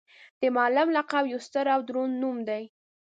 د معلم لقب یو ستر او دروند نوم دی.